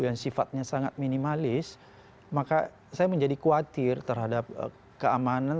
yang sifatnya sangat minimalis maka saya menjadi khawatir terhadap keamanan